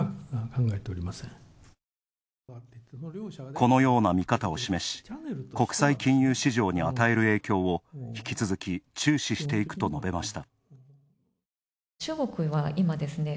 このような見方を示し、国際金融市場に与える影響を引き続き、注視していくと述べました。